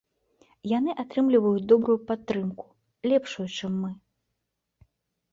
Яны атрымліваюць добрую падтрымку, лепшую, чым мы.